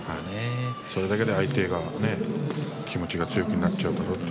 それだけで相手が気持ちが強くなってしまうだろうと。